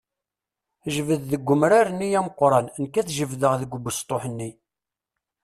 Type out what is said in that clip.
Jbed deg umrar-nni ameqqran, nekk ad jebdeɣ deg ubesṭuḥ-nni.